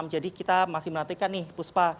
jadi kita masih menantikan nih puspa